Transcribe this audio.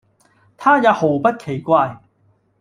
他也毫不奇怪，